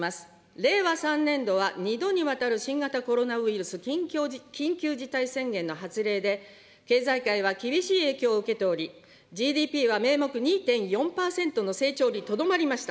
令和３年度は２度にわたる新型コロナウイルス緊急事態宣言の発令で、経済界は厳しい影響を受けており、ＧＤＰは名目２．４％の成長にとどまりました。